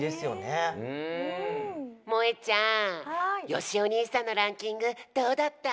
よしお兄さんのランキングどうだった？